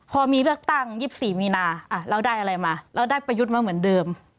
พอมีเลือกตั้ง๒๔มีนาเราได้อะไรมาเราได้ประยุทธ์มาเหมือนเดิม